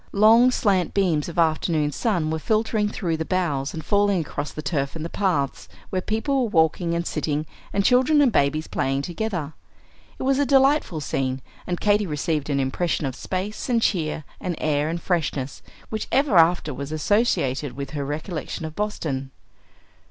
Long, slant beams of afternoon sun were filtering through the boughs and falling across the turf and the paths, where people were walking and sitting, and children and babies playing together. It was a delightful scene; and Katy received an impression of space and cheer and air and freshness, which ever after was associated with her recollection of Boston.